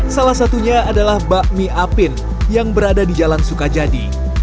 salah satunya adalah bakmi apin yang berada di jalan sukajadi